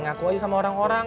ngaku aja sama orang orang